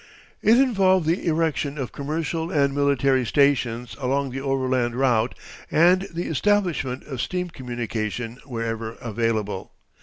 It involved the erection of commercial and military stations along the overland route and the establishment of steam communication wherever available.